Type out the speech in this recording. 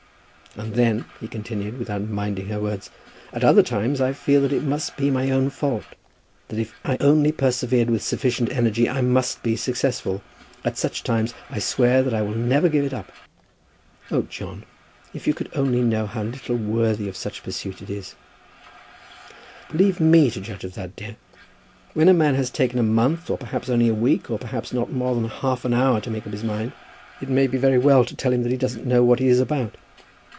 "And then," he continued, without minding her words, "at other times I feel that it must be my own fault; that if I only persevered with sufficient energy I must be successful. At such times I swear that I will never give it up." "Oh, John, if you could only know how little worthy of such pursuit it is." "Leave me to judge of that, dear. When a man has taken a month, or perhaps only a week, or perhaps not more than half an hour, to make up his mind, it may be very well to tell him that he doesn't know what he is about.